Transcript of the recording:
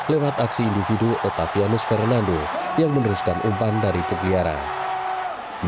lewat aksi individu otavianus fernando yang meneruskan umpan dari pegiaran